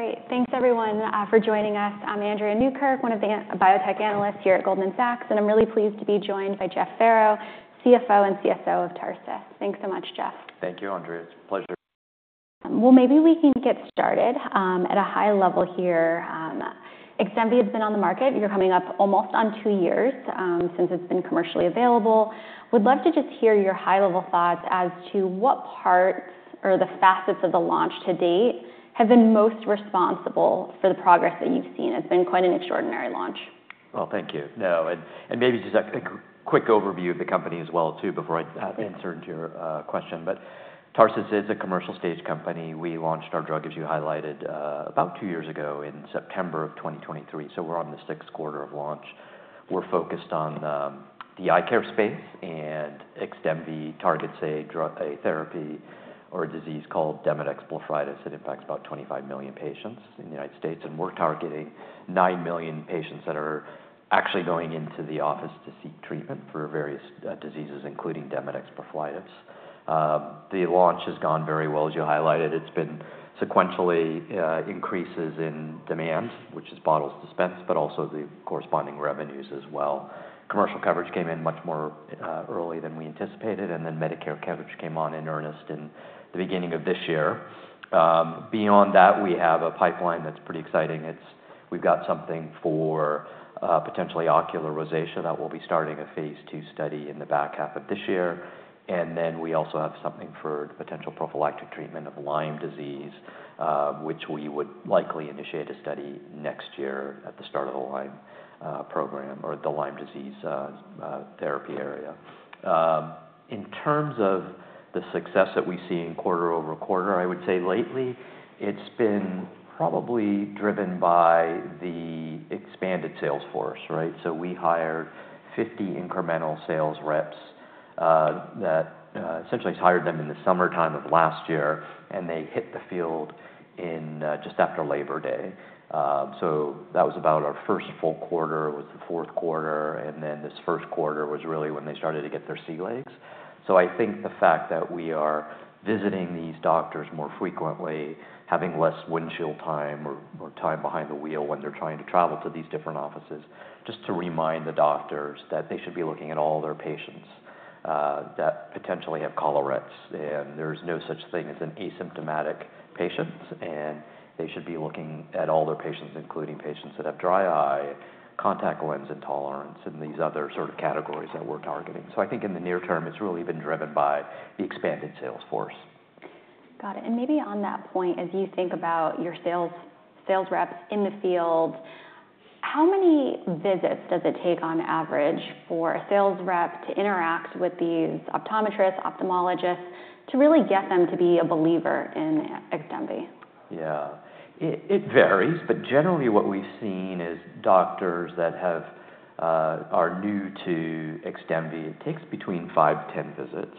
Great. Thanks, everyone, for joining us. I'm Andrea Newkirk, one of the biotech analysts here at Goldman Sachs, and I'm really pleased to be joined by Jeff Farrow, CFO and CSO of Tarsus. Thanks so much, Jeff. Thank you, Andrea. It's a pleasure. Maybe we can get started at a high level here. XDEMVY has been on the market. You're coming up almost on two years since it's been commercially available. Would love to just hear your high-level thoughts as to what parts or the facets of the launch to date have been most responsible for the progress that you've seen. It's been quite an extraordinary launch. Thank you. No, and maybe just a quick overview of the company as well, too, before I answer your question. Tarsus is a commercial-stage company. We launched our drug, as you highlighted, about two years ago in September of 2023. We are on the sixth quarter of launch. We are focused on the eye care space, and XDEMVY targets a therapy or a disease called Demodex blepharitis. It impacts about 25 million patients in the United States, and we are targeting 9 million patients that are actually going into the office to seek treatment for various diseases, including Demodex blepharitis. The launch has gone very well, as you highlighted. It has been sequentially increases in demand, which is bottles dispensed, but also the corresponding revenues as well. Commercial coverage came in much more early than we anticipated, and then Medicare coverage came on in earnest in the beginning of this year. Beyond that, we have a pipeline that's pretty exciting. We've got something for potentially ocular rosacea that we'll be starting a phase II study in the back half of this year. We also have something for potential prophylactic treatment of Lyme disease, which we would likely initiate a study next year at the start of the Lyme program or the Lyme disease therapy area. In terms of the success that we see in quarter-over-quarter, I would say lately it's been probably driven by the expanded sales force, right? We hired 50 incremental sales reps that essentially hired them in the summertime of last year, and they hit the field just after Labor Day. That was about our first full quarter, was the fourth quarter, and this first quarter was really when they started to get their sea legs. I think the fact that we are visiting these doctors more frequently, having less windshield time or time behind the wheel when they're trying to travel to these different offices, just to remind the doctors that they should be looking at all their patients that potentially have collarettes, and there's no such thing as an asymptomatic patient, and they should be looking at all their patients, including patients that have dry eye, contact lens intolerance, and these other sort of categories that we're targeting. I think in the near term, it's really been driven by the expanded sales force. Got it. Maybe on that point, as you think about your sales reps in the field, how many visits does it take on average for a sales rep to interact with these optometrists, ophthalmologists, to really get them to be a believer in XDEMVY? Yeah, it varies, but generally what we've seen is doctors that are new to XDEMVY, it takes between 5-10 visits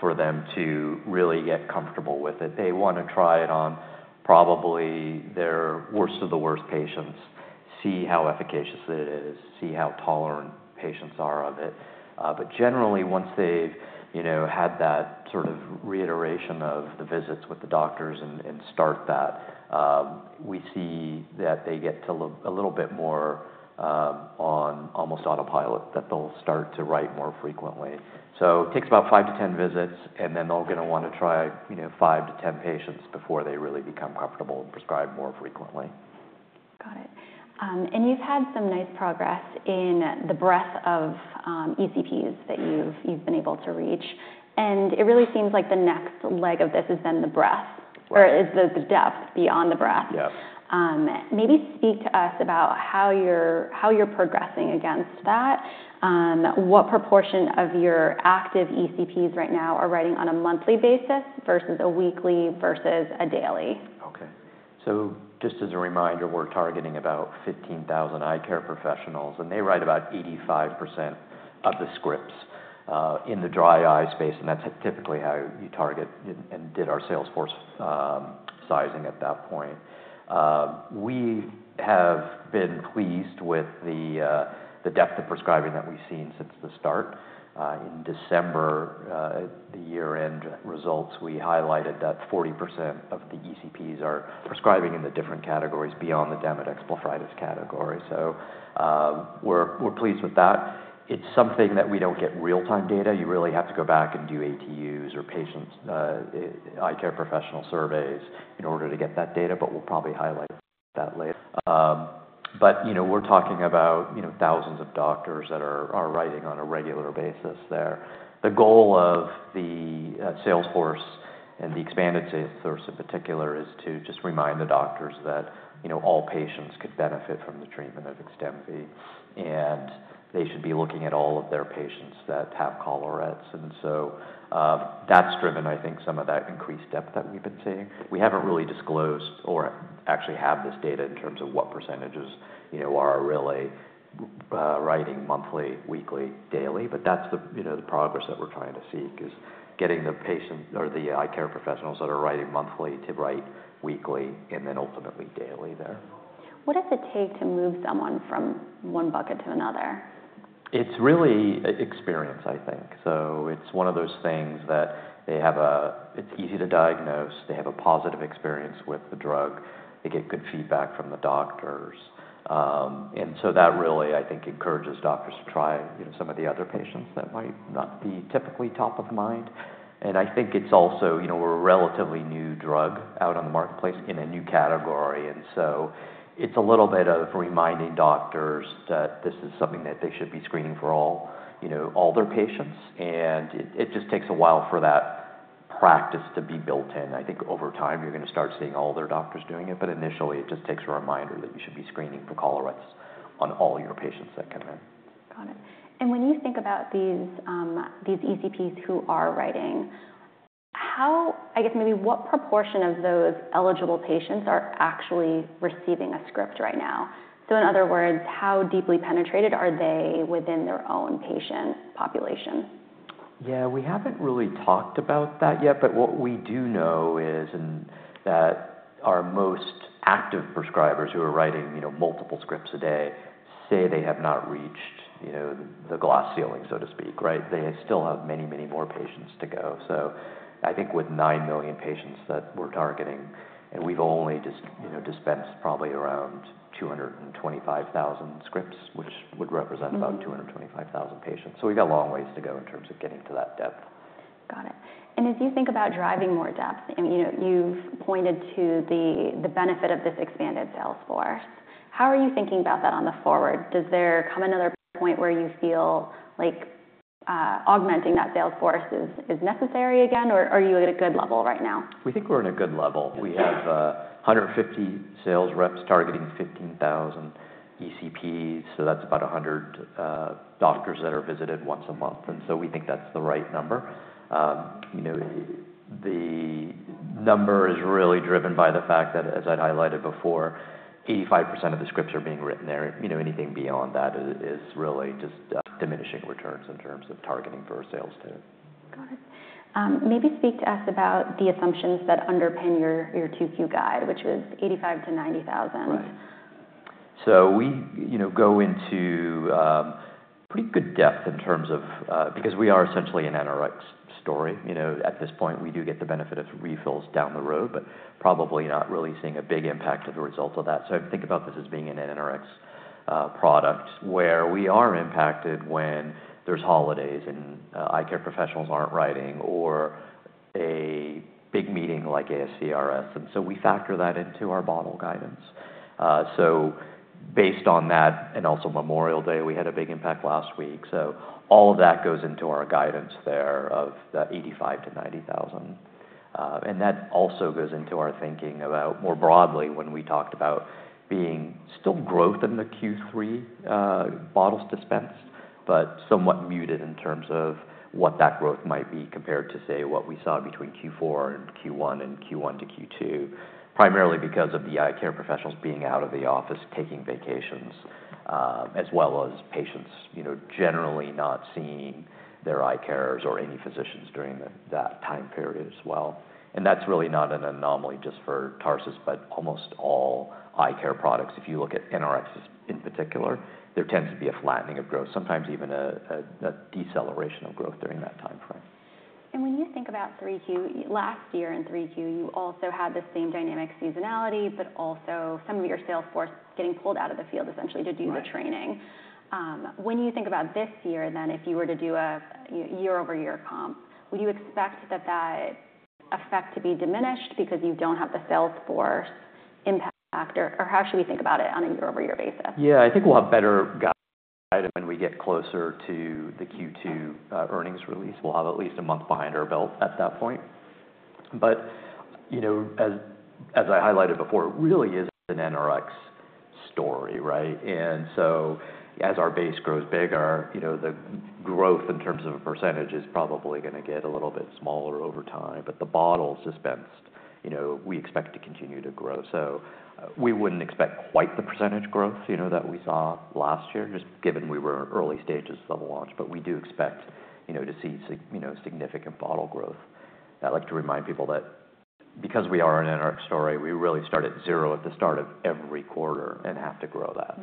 for them to really get comfortable with it. They want to try it on probably their worst of the worst patients, see how efficacious it is, see how tolerant patients are of it. Generally, once they've had that sort of reiteration of the visits with the doctors and start that, we see that they get to a little bit more on almost autopilot, that they'll start to write more frequently. It takes about 5-10 visits, and then they're going to want to try 5-10 patients before they really become comfortable and prescribe more frequently. Got it. You've had some nice progress in the breadth of ECPs that you've been able to reach. It really seems like the next leg of this has been the breadth, or is the depth beyond the breadth. Yep. Maybe speak to us about how you're progressing against that. What proportion of your active ECPs right now are writing on a monthly basis versus a weekly versus a daily? Okay. Just as a reminder, we're targeting about 15,000 eye care professionals, and they write about 85% of the scripts in the dry eye space, and that's typically how you target and did our sales force sizing at that point. We have been pleased with the depth of prescribing that we've seen since the start. In December, at the year-end results, we highlighted that 40% of the ECPs are prescribing in the different categories beyond the Demodex blepharitis category. We're pleased with that. It's something that we don't get real-time data. You really have to go back and do ATUs or patient eye care professional surveys in order to get that data, but we'll probably highlight that later. We're talking about thousands of doctors that are writing on a regular basis there. The goal of the sales force and the expanded sales force in particular is to just remind the doctors that all patients could benefit from the treatment of XDEMVY, and they should be looking at all of their patients that have collarettes. That has driven, I think, some of that increased depth that we've been seeing. We haven't really disclosed or actually have this data in terms of what percentages are really writing monthly, weekly, daily, but that's the progress that we're trying to seek is getting the patient or the eye care professionals that are writing monthly to write weekly and then ultimately daily there. What does it take to move someone from one bucket to another? It's really experience, I think. It's one of those things that they have a, it's easy to diagnose, they have a positive experience with the drug, they get good feedback from the doctors. That really, I think, encourages doctors to try some of the other patients that might not be typically top of mind. I think it's also, we're a relatively new drug out on the marketplace in a new category. It's a little bit of reminding doctors that this is something that they should be screening for all their patients. It just takes a while for that practice to be built in. I think over time you're going to start seeing all their doctors doing it, but initially it just takes a reminder that you should be screening for collarettes on all your patients that come in. Got it. When you think about these ECPs who are writing, how, I guess maybe what proportion of those eligible patients are actually receiving a script right now? In other words, how deeply penetrated are they within their own patient population? Yeah, we haven't really talked about that yet, but what we do know is that our most active prescribers who are writing multiple scripts a day say they have not reached the glass ceiling, so to speak, right? They still have many, many more patients to go. I think with nine million patients that we're targeting, and we've only dispensed probably around 225,000 scripts, which would represent about 225,000 patients. We have a long ways to go in terms of getting to that depth. Got it. As you think about driving more depth, you've pointed to the benefit of this expanded sales force. How are you thinking about that on the forward? Does there come another point where you feel like augmenting that sales force is necessary again, or are you at a good level right now? We think we're at a good level. We have 150 sales reps targeting 15,000 ECPs, so that's about 100 doctors that are visited once a month. We think that's the right number. The number is really driven by the fact that, as I'd highlighted before, 85% of the scripts are being written there. Anything beyond that is really just diminishing returns in terms of targeting for a sales too. Got it. Maybe speak to us about the assumptions that underpin your 2Q guide, which was 85,000-90,000. Right. So we go into pretty good depth in terms of, because we are essentially an NRx story. At this point, we do get the benefit of refills down the road, but probably not really seeing a big impact of the results of that. I think about this as being an NRx product where we are impacted when there's holidays and eye care professionals aren't writing or a big meeting like ASCRS. We factor that into our bottle guidance. Based on that, and also Memorial Day, we had a big impact last week. All of that goes into our guidance there of the 85,000-90,000. That also goes into our thinking about more broadly when we talked about being still growth in the Q3 bottles dispensed, but somewhat muted in terms of what that growth might be compared to, say, what we saw between Q4 and Q1 and Q1 to Q2, primarily because of the eye care professionals being out of the office taking vacations, as well as patients generally not seeing their eye cares or any physicians during that time period as well. That is really not an anomaly just for Tarsus, but almost all eye care products. If you look at NRx's in particular, there tends to be a flattening of growth, sometimes even a deceleration of growth during that time frame. When you think about 3Q, last year in 3Q, you also had the same dynamic seasonality, but also some of your sales force getting pulled out of the field essentially to do the training. When you think about this year then, if you were to do a year-over-year comp, would you expect that effect to be diminished because you do not have the sales force impact, or how should we think about it on a year-over-year basis? Yeah, I think we'll have better guidance when we get closer to the Q2 earnings release. We'll have at least a month behind our belt at that point. As I highlighted before, it really is an NRx story, right? As our base grows bigger, the growth in terms of a percentage is probably going to get a little bit smaller over time, but the bottles dispensed, we expect to continue to grow. We wouldn't expect quite the percentage growth that we saw last year, just given we were in early stages of the launch, but we do expect to see significant bottle growth. I'd like to remind people that because we are an NRx story, we really start at zero at the start of every quarter and have to grow that.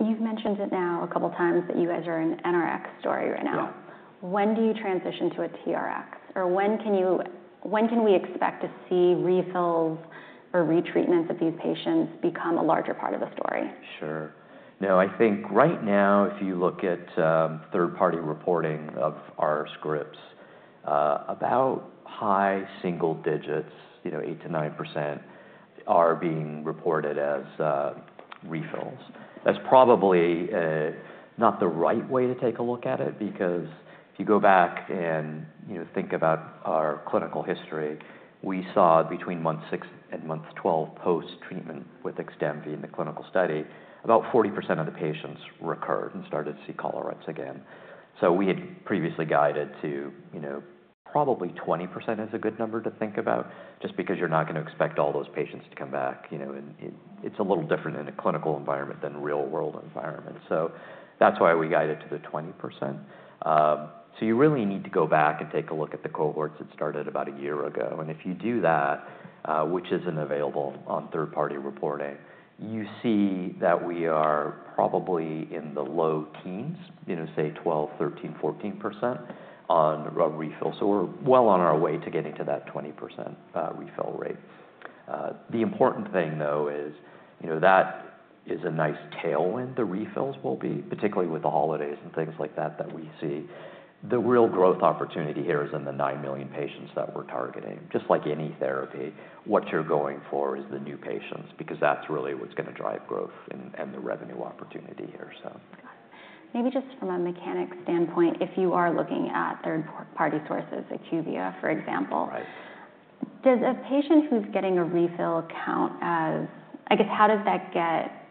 You've mentioned it now a couple of times that you guys are an NRx story right now. When do you transition to a TRx, or when can we expect to see refills or retreatments of these patients become a larger part of the story? Sure. No, I think right now, if you look at third-party reporting of our scripts, about high single-digits, 8%-9%, are being reported as refills. That's probably not the right way to take a look at it because if you go back and think about our clinical history, we saw between month 6 and month 12 post-treatment with XDEMVY in the clinical study, about 40% of the patients recurred and started to see collarettes again. So we had previously guided to probably 20% is a good number to think about, just because you're not going to expect all those patients to come back. It's a little different in a clinical environment than real-world environment. That's why we guided to the 20%. You really need to go back and take a look at the cohorts that started about a year ago. If you do that, which is not available on third-party reporting, you see that we are probably in the low teens, say 12%, 13%, 14% on refills. We are well on our way to getting to that 20% refill rate. The important thing, though, is that is a nice tailwind the refills will be, particularly with the holidays and things like that that we see. The real growth opportunity here is in the nine million patients that we are targeting. Just like any therapy, what you are going for is the new patients because that is really what is going to drive growth and the revenue opportunity here. Got it. Maybe just from a mechanics standpoint, if you are looking at third-party sources, IQVIA, for example, does a patient who's getting a refill count as, I guess, how does that get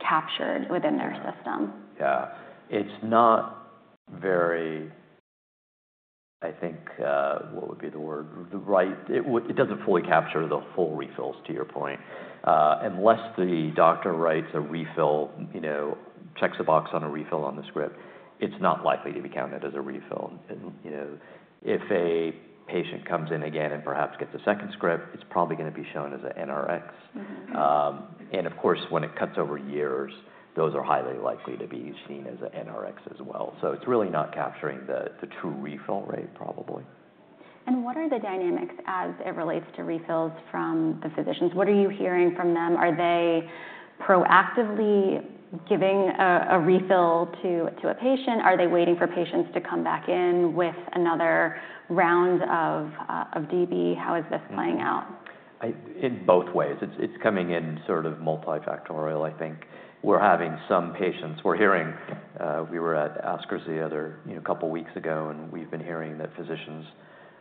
captured within their system? Yeah, it's not very, I think, what would be the word, right? It doesn't fully capture the full refills to your point. Unless the doctor writes a refill, checks a box on a refill on the script, it's not likely to be counted as a refill. If a patient comes in again and perhaps gets a second script, it's probably going to be shown as an NRx. Of course, when it cuts over years, those are highly likely to be seen as an NRx as well. It is really not capturing the true refill rate probably. What are the dynamics as it relates to refills from the physicians? What are you hearing from them? Are they proactively giving a refill to a patient? Are they waiting for patients to come back in with another round of DB? How is this playing out? In both ways. It's coming in sort of multifactorial, I think. We're having some patients, we're hearing, we were at ASCRS the other couple of weeks ago, and we've been hearing that physicians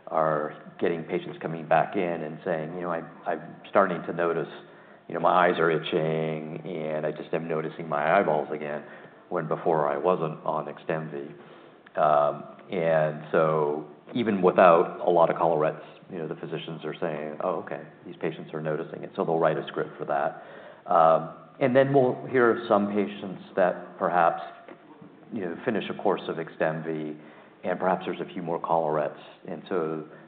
are getting patients coming back in and saying, "I'm starting to notice my eyes are itching, and I just am noticing my eyeballs again when before I wasn't on XDEMVY." Even without a lot of collarettes, the physicians are saying, "Oh, okay, these patients are noticing it." They'll write a script for that. We hear of some patients that perhaps finish a course of XDEMVY, and perhaps there's a few more collarettes, and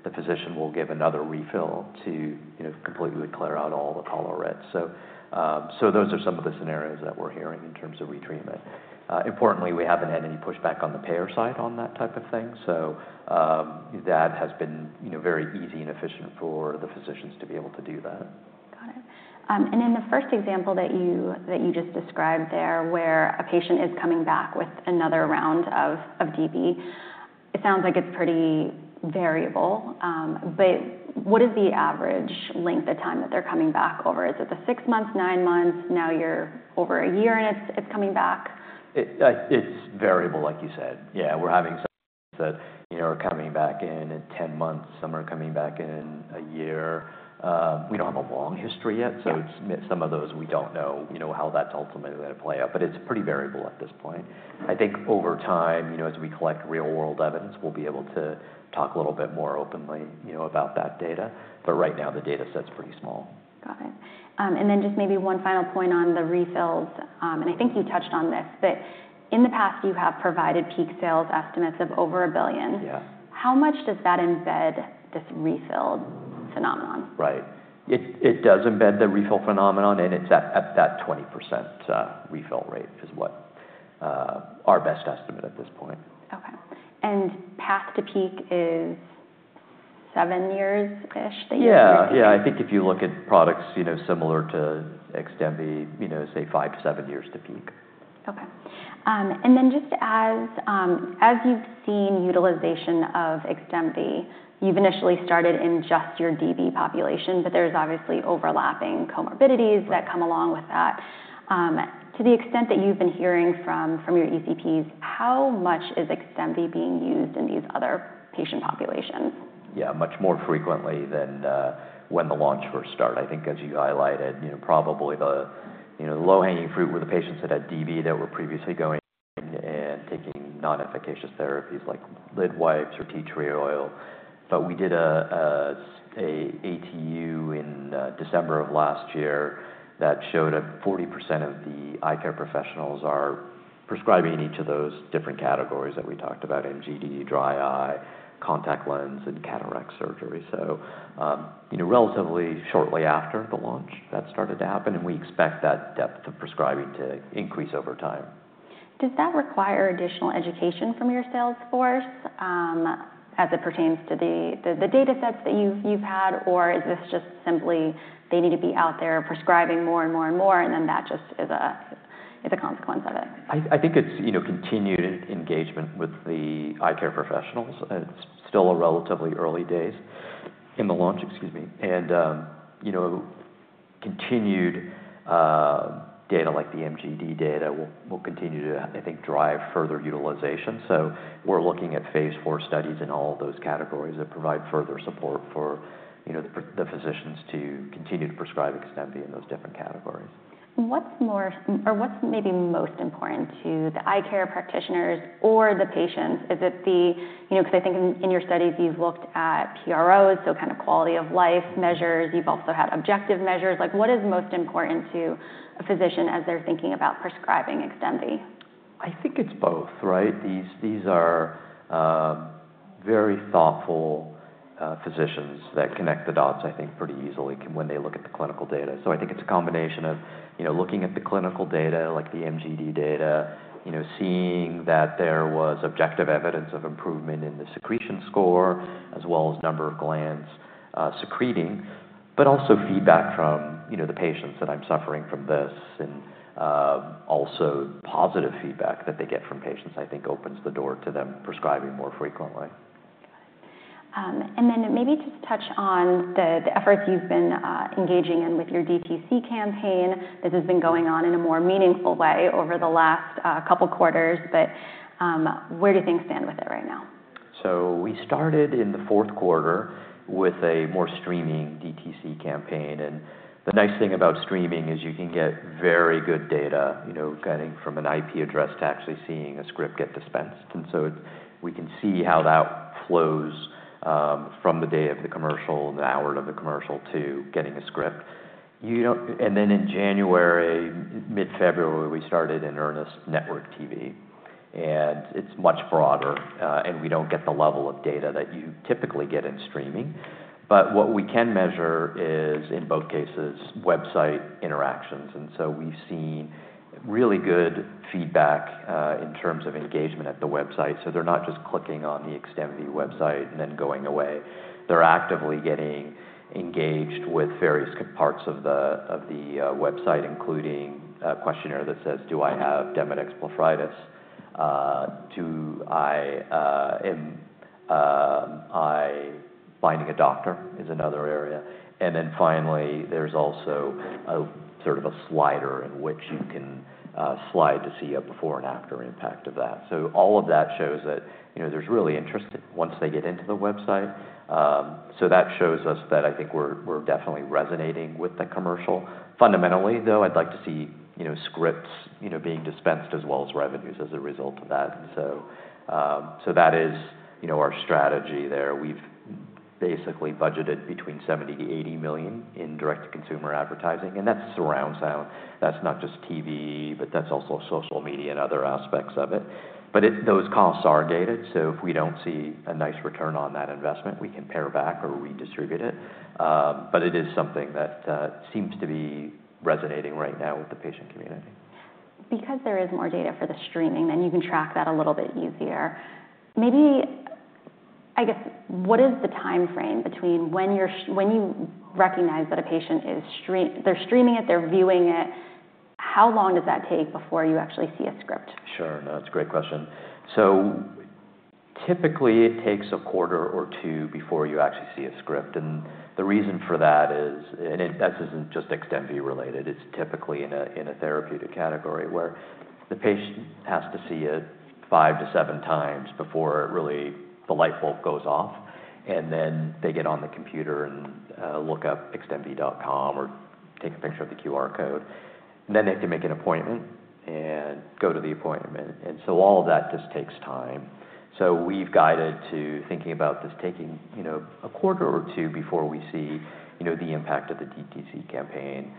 the physician will give another refill to completely clear out all the collarettes. Those are some of the scenarios that we're hearing in terms of retreatment. Importantly, we haven't had any pushback on the payer side on that type of thing. That has been very easy and efficient for the physicians to be able to do that. Got it. In the first example that you just described there, where a patient is coming back with another round of DB, it sounds like it's pretty variable. What is the average length of time that they're coming back over? Is it the six months, nine months, now you're over a year and it's coming back? It's variable, like you said. Yeah, we're having some that are coming back in at 10 months, some are coming back in a year. We don't have a long history yet, so some of those we don't know how that's ultimately going to play out, but it's pretty variable at this point. I think over time, as we collect real-world evidence, we'll be able to talk a little bit more openly about that data. Right now, the data set's pretty small. Got it. And then just maybe one final point on the refills. I think you touched on this, but in the past, you have provided peak sales estimates of over $1 billion. How much does that embed this refill phenomenon? Right. It does embed the refill phenomenon, and it's at that 20% refill rate is what our best estimate at this point. Okay. And path to peak is seven years-ish that you've been doing? Yeah, yeah. I think if you look at products similar to XDEMVY, say five to seven years to peak. Okay. Just as you've seen utilization of XDEMVY, you've initially started in just your DB population, but there's obviously overlapping comorbidities that come along with that. To the extent that you've been hearing from your ECPs, how much is XDEMVY being used in these other patient populations? Yeah, much more frequently than when the launch first started. I think as you highlighted, probably the low-hanging fruit were the patients that had DB that were previously going and taking non-efficacious therapies like lid wipes or tea tree oil. We did an ATU in December of last year that showed that 40% of the eye care professionals are prescribing in each of those different categories that we talked about: MGD, dry eye, contact lens, and cataract surgery. Relatively shortly after the launch, that started to happen, and we expect that depth of prescribing to increase over time. Does that require additional education from your sales force as it pertains to the data sets that you've had, or is this just simply they need to be out there prescribing more and more and more, and then that just is a consequence of it? I think it's continued engagement with the eye care professionals. It's still relatively early days in the launch, excuse me. And continued data like the MGD data will continue to, I think, drive further utilization. We are looking at phase IV studies in all of those categories that provide further support for the physicians to continue to prescribe XDEMVY in those different categories. What's maybe most important to the eye care practitioners or the patients? Is it the, because I think in your studies, you've looked at PROs, so kind of quality of life measures. You've also had objective measures. What is most important to a physician as they're thinking about prescribing XDEMVY? I think it's both, right? These are very thoughtful physicians that connect the dots, I think, pretty easily when they look at the clinical data. I think it's a combination of looking at the clinical data, like the MGD data, seeing that there was objective evidence of improvement in the secretion score, as well as number of glands secreting, but also feedback from the patients that I'm suffering from this. Also, positive feedback that they get from patients, I think, opens the door to them prescribing more frequently. Got it. Maybe just touch on the efforts you've been engaging in with your DTC campaign. This has been going on in a more meaningful way over the last couple of quarters, but where do things stand with it right now? We started in the fourth quarter with a more streaming DTC campaign. The nice thing about streaming is you can get very good data getting from an IP address to actually seeing a script get dispensed. We can see how that flows from the day of the commercial, the hour of the commercial to getting a script. In January, mid-February, we started in earnest network TV. It is much broader, and we do not get the level of data that you typically get in streaming. What we can measure is, in both cases, website interactions. We have seen really good feedback in terms of engagement at the website. They are not just clicking on the XDEMVY website and then going away. They are actively getting engaged with various parts of the website, including a questionnaire that says, "Do I have Demodex blepharitis? Do I find a doctor?" is another area. Finally, there is also sort of a slider in which you can slide to see a before and after impact of that. All of that shows that there is really interest once they get into the website. That shows us that I think we are definitely resonating with the commercial. Fundamentally, though, I would like to see scripts being dispensed as well as revenues as a result of that. That is our strategy there. We have basically budgeted between $70 million-$80 million in direct-to-consumer advertising. That is surround sound. That is not just TV, but that is also social media and other aspects of it. Those costs are gated. If we do not see a nice return on that investment, we can pare back or redistribute it. It is something that seems to be resonating right now with the patient community. Because there is more data for the streaming, then you can track that a little bit easier. Maybe, I guess, what is the timeframe between when you recognize that a patient is streaming, they're streaming it, they're viewing it, how long does that take before you actually see a script? Sure. No, that's a great question. Typically, it takes a quarter or two before you actually see a script. The reason for that is, and this is not just XDEMVY related, it is typically in a therapeutic category where the patient has to see it five to seven times before really the light bulb goes off. They get on the computer and look up XDEMVY.com or take a picture of the QR code. They have to make an appointment and go to the appointment. All of that just takes time. We have guided to thinking about this taking a quarter or two before we see the impact of the DTC campaign,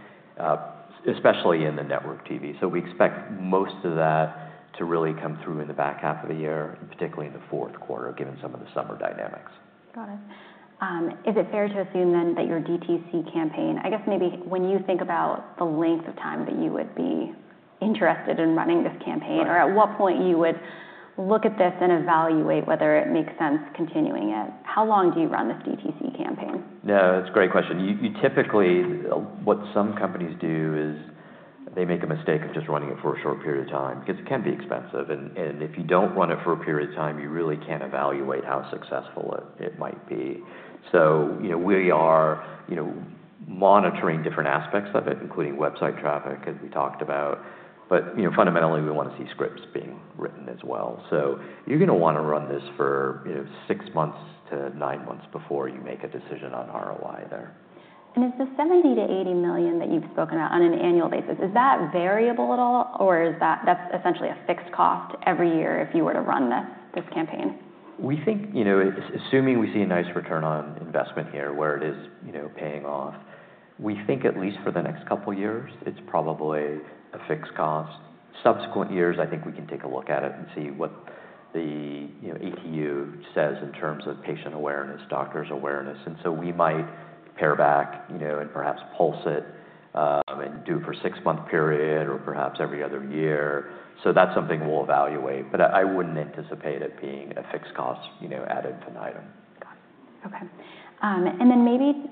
especially in the network TV. We expect most of that to really come through in the back half of the year, particularly in the fourth quarter, given some of the summer dynamics. Got it. Is it fair to assume then that your DTC campaign, I guess maybe when you think about the length of time that you would be interested in running this campaign, or at what point you would look at this and evaluate whether it makes sense continuing it? How long do you run this DTC campaign? No, that's a great question. Typically, what some companies do is they make a mistake of just running it for a short period of time because it can be expensive. If you don't run it for a period of time, you really can't evaluate how successful it might be. We are monitoring different aspects of it, including website traffic, as we talked about. Fundamentally, we want to see scripts being written as well. You're going to want to run this for six months to nine months before you make a decision on ROI there. Is the $70 million-$80 million that you've spoken about on an annual basis, is that variable at all, or that's essentially a fixed cost every year if you were to run this campaign? We think, assuming we see a nice return on investment here where it is paying off, we think at least for the next couple of years, it's probably a fixed cost. Subsequent years, I think we can take a look at it and see what the ATU says in terms of patient awareness, doctors' awareness. We might pare back and perhaps pulse it and do it for a six-month period or perhaps every other year. That is something we'll evaluate. I wouldn't anticipate it being a fixed cost added to an item. Got it. Okay. Maybe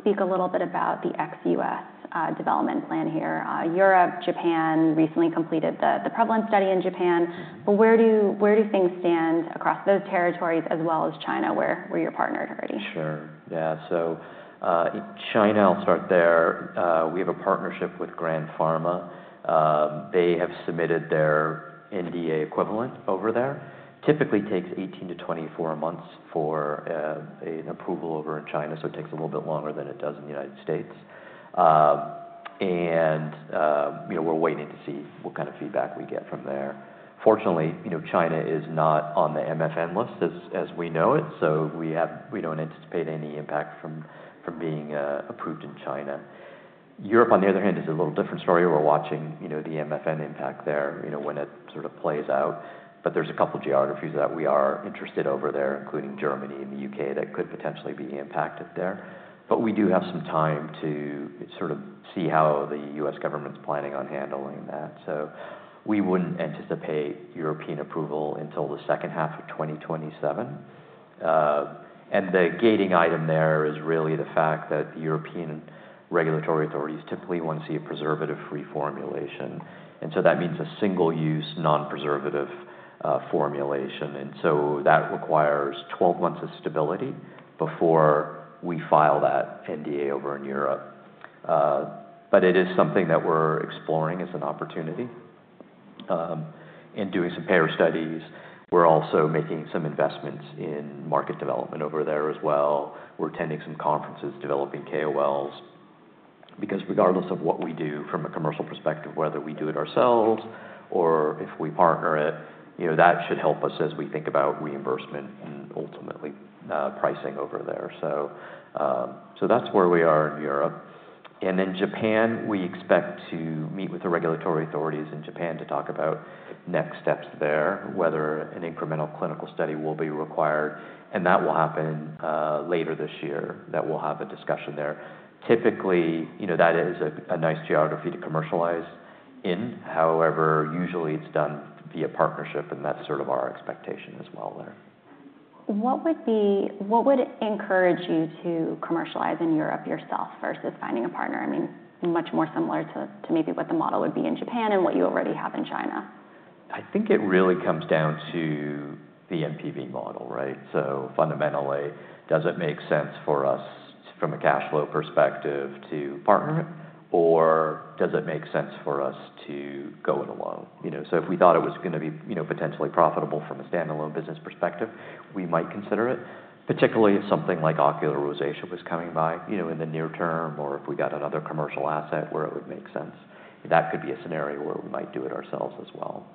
speak a little bit about the ex-U.S. development plan here. Europe, Japan recently completed the prevalence study in Japan. Where do things stand across those territories as well as China where you're partnered already? Sure. Yeah. China, I'll start there. We have a partnership with Grand Pharma. They have submitted their NDA equivalent over there. Typically takes 18-24 months for an approval over in China, so it takes a little bit longer than it does in the United States. We're waiting to see what kind of feedback we get from there. Fortunately, China is not on the MFN list as we know it, so we don't anticipate any impact from being approved in China. Europe, on the other hand, is a little different story. We're watching the MFN impact there when it sort of plays out. There's a couple of geographies that we are interested over there, including Germany and the U.K., that could potentially be impacted there. We do have some time to sort of see how the U.S. government's planning on handling that. We would not anticipate European approval until the second half of 2027. The gating item there is really the fact that the European regulatory authorities typically want to see a preservative-free formulation. That means a single-use non-preservative formulation. That requires 12 months of stability before we file that NDA over in Europe. It is something that we are exploring as an opportunity and doing some payer studies. We are also making some investments in market development over there as well. We are attending some conferences, developing KOLs, because regardless of what we do from a commercial perspective, whether we do it ourselves or if we partner it, that should help us as we think about reimbursement and ultimately pricing over there. That is where we are in Europe. In Japan, we expect to meet with the regulatory authorities in Japan to talk about next steps there, whether an incremental clinical study will be required. That will happen later this year. That will have a discussion there. Typically, that is a nice geography to commercialize in. However, usually it's done via partnership, and that's sort of our expectation as well there. What would encourage you to commercialize in Europe yourself versus finding a partner? I mean, much more similar to maybe what the model would be in Japan and what you already have in China. I think it really comes down to the MPV model, right? Fundamentally, does it make sense for us from a cash flow perspective to partner it, or does it make sense for us to go it alone? If we thought it was going to be potentially profitable from a standalone business perspective, we might consider it, particularly if something like ocular rosacea was coming by in the near term or if we got another commercial asset where it would make sense. That could be a scenario where we might do it ourselves as well.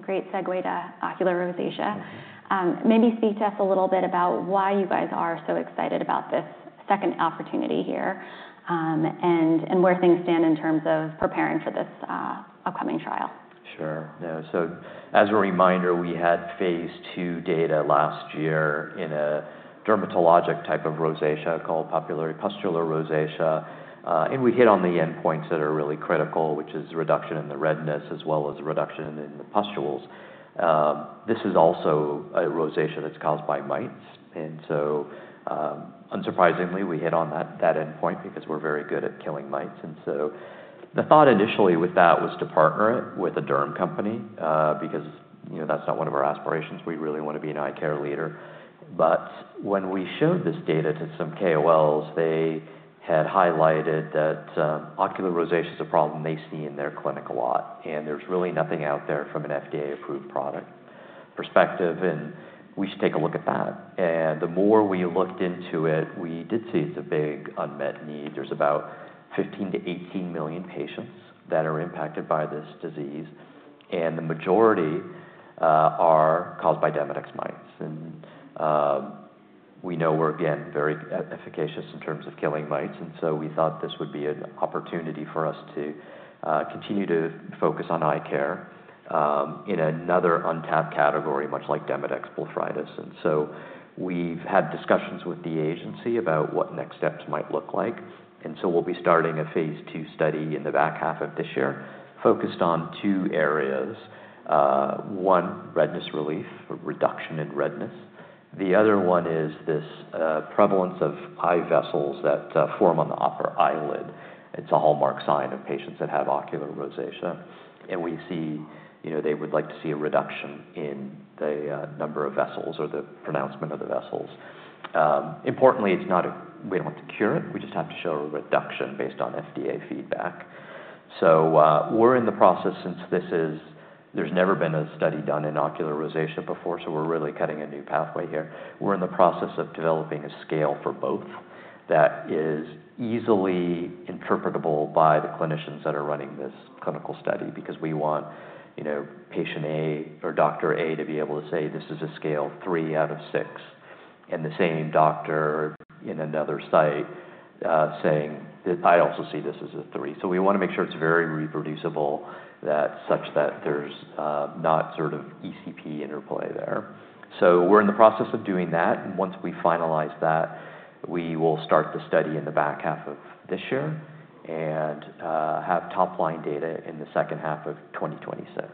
Great segue to ocular rosacea. Maybe speak to us a little bit about why you guys are so excited about this second opportunity here and where things stand in terms of preparing for this upcoming trial. Sure. As a reminder, we had phase II data last year in a dermatologic type of rosacea called papulopustular rosacea. We hit on the endpoints that are really critical, which is reduction in the redness as well as reduction in the pustules. This is also a rosacea that's caused by mites. Unsurprisingly, we hit on that endpoint because we're very good at killing mites. The thought initially with that was to partner it with a derm company because that's not one of our aspirations. We really want to be an eye care leader. When we showed this data to some KOLs, they had highlighted that ocular rosacea is a problem they see in their clinic a lot. There's really nothing out there from an FDA-approved product perspective. We should take a look at that. The more we looked into it, we did see it's a big unmet need. There are about 15-18 million patients that are impacted by this disease. The majority are caused by Demodex mites. We know we're, again, very efficacious in terms of killing mites. We thought this would be an opportunity for us to continue to focus on eye care in another untapped category, much like Demodex blepharitis. We have had discussions with the agency about what next steps might look like. We will be starting a phase II study in the back half of this year focused on two areas. One, redness relief, reduction in redness. The other one is this prevalence of eye vessels that form on the upper eyelid. It is a hallmark sign of patients that have ocular rosacea. We see they would like to see a reduction in the number of vessels or the pronouncement of the vessels. Importantly, we do not have to cure it. We just have to show a reduction based on FDA feedback. We are in the process, since there has never been a study done in ocular rosacea before, so we are really cutting a new pathway here. We are in the process of developing a scale for both that is easily interpretable by the clinicians that are running this clinical study because we want patient A or doctor A to be able to say, "This is a scale three out of six," and the same doctor in another site saying, "I also see this as a three." We want to make sure it is very reproducible such that there is not sort of ECP interplay there. We are in the process of doing that. Once we finalize that, we will start the study in the back half of this year and have top-line data in the second half of 2026.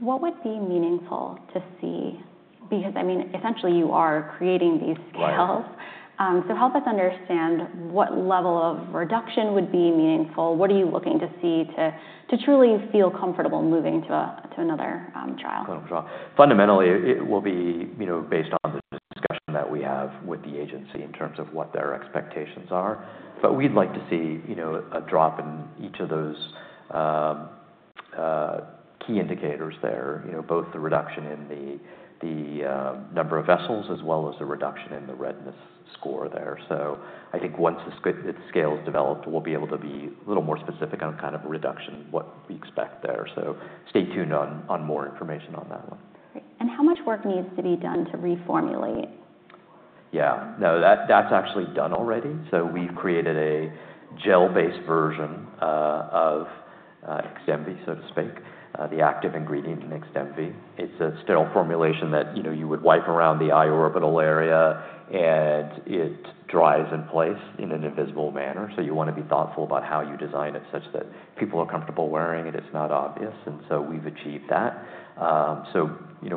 What would be meaningful to see? Because, I mean, essentially, you are creating these scales. So help us understand what level of reduction would be meaningful. What are you looking to see to truly feel comfortable moving to another trial? Clinical trial. Fundamentally, it will be based on the discussion that we have with the agency in terms of what their expectations are. We'd like to see a drop in each of those key indicators there, both the reduction in the number of vessels as well as the reduction in the redness score there. I think once the scale is developed, we'll be able to be a little more specific on kind of reduction, what we expect there. Stay tuned on more information on that one. How much work needs to be done to reformulate? Yeah. No, that's actually done already. We've created a gel-based version of XDEMVY, so to speak, the active ingredient in XDEMVY. It's a sterile formulation that you would wipe around the eye orbital area, and it dries in place in an invisible manner. You want to be thoughtful about how you design it such that people are comfortable wearing it. It's not obvious. We've achieved that.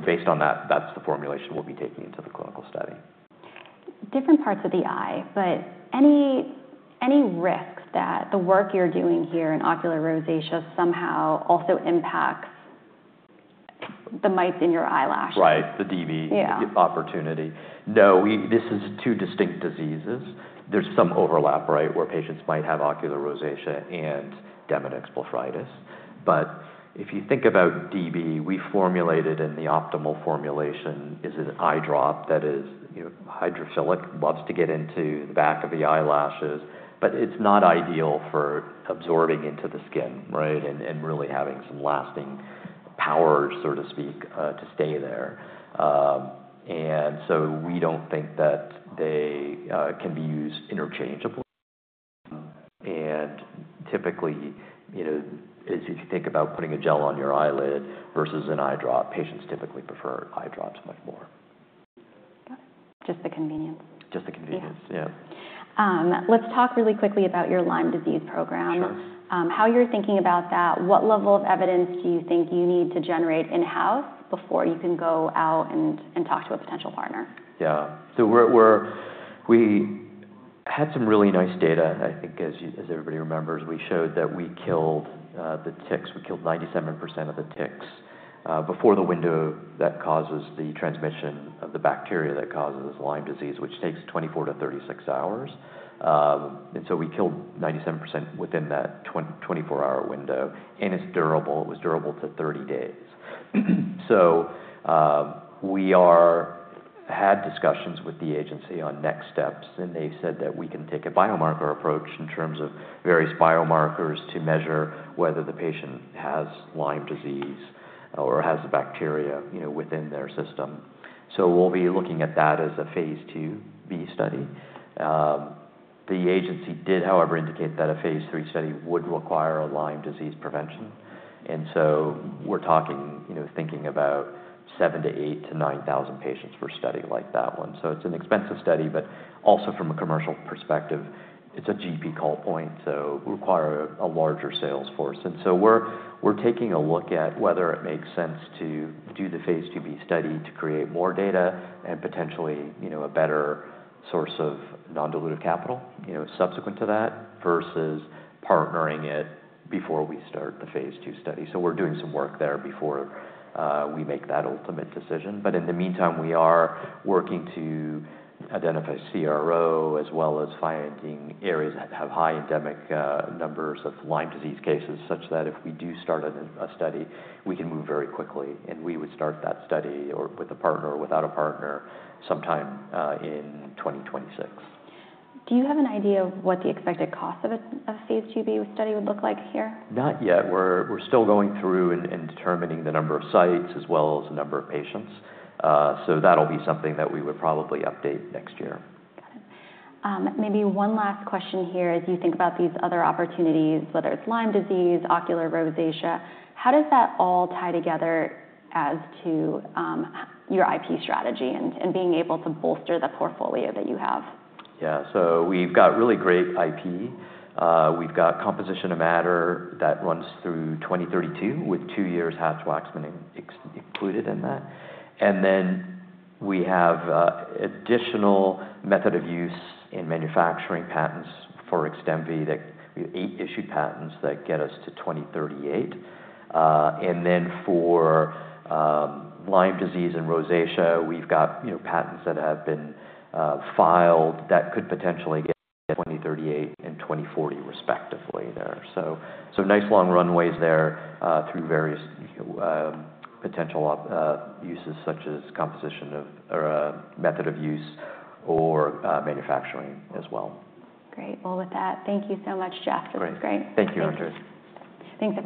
Based on that, that's the formulation we'll be taking into the clinical study. Different parts of the eye, but any risks that the work you're doing here in ocular rosacea somehow also impacts the mites in your eyelashes? Right. The DB opportunity. No, this is two distinct diseases. There's some overlap, right, where patients might have ocular rosacea and Demodex blepharitis. If you think about DB, we formulated in the optimal formulation is an eye drop that is hydrophilic, loves to get into the back of the eyelashes, but it's not ideal for absorbing into the skin, right, and really having some lasting power, so to speak, to stay there. We don't think that they can be used interchangeably. Typically, if you think about putting a gel on your eyelid versus an eye drop, patients typically prefer eye drops much more. Just the convenience. Just the convenience. Yeah. Let's talk really quickly about your Lyme disease program. How you're thinking about that, what level of evidence do you think you need to generate in-house before you can go out and talk to a potential partner? Yeah. We had some really nice data. I think, as everybody remembers, we showed that we killed the ticks. We killed 97% of the ticks before the window that causes the transmission of the bacteria that causes Lyme disease, which takes 24-36 hours. We killed 97% within that 24-hour window. It is durable. It was durable to 30 days. We had discussions with the agency on next steps, and they said that we can take a biomarker approach in terms of various biomarkers to measure whether the patient has Lyme disease or has the bacteria within their system. We will be looking at that as a phase II-B study. The agency did, however, indicate that a phase III study would require a Lyme disease prevention. We are thinking about 7,000 to 8,000 to 9,000 patients for a study like that one. It's an expensive study, but also from a commercial perspective, it's a GP call point, so we require a larger sales force. We are taking a look at whether it makes sense to do the phase II-B study to create more data and potentially a better source of non-dilutive capital subsequent to that versus partnering it before we start the phase II study. We are doing some work there before we make that ultimate decision. In the meantime, we are working to identify CRO as well as finding areas that have high endemic numbers of Lyme disease cases such that if we do start a study, we can move very quickly. We would start that study with a partner or without a partner sometime in 2026. Do you have an idea of what the expected cost of a phase II-B study would look like here? Not yet. We're still going through and determining the number of sites as well as the number of patients. That'll be something that we would probably update next year. Maybe one last question here as you think about these other opportunities, whether it's Lyme disease, ocular rosacea. How does that all tie together as to your IP strategy and being able to bolster the portfolio that you have? Yeah. So we've got really great IP. We've got composition of matter that runs through 2032 with two years Hatch-Waxman included in that. Then we have additional method of use and manufacturing patents for XDEMVY. We have eight issued patents that get us to 2038. For Lyme disease and rosacea, we've got patents that have been filed that could potentially get 2038 and 2040 respectively there. Nice long runways there through various potential uses such as composition of matter, method of use, or manufacturing as well. Great. With that, thank you so much, Jeff. This was great. Thank you, Andrea. Thanks so much.